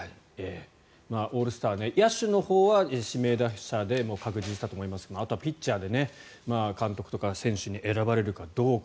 オールスター野手のほうは指名打者で確実だと思いますがあとはピッチャーで監督とか選手に選ばれるかどうか。